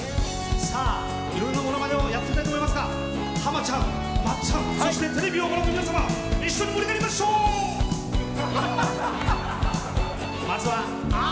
さあ色々なモノマネをやってみたいと思いますが浜ちゃん松ちゃんそしてテレビをご覧の皆様一緒に盛り上がりましょう！モノマネ